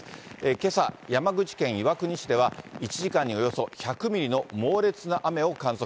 けさ、山口県岩国市では、１時間におよそ１００ミリの猛烈な雨を観測。